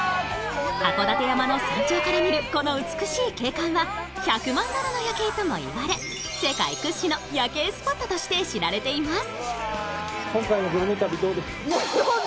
函館山の山頂から見るこの美しい夜景は１００万ドルの夜景とも言われ、世界屈指の夜景スポットとして知られています。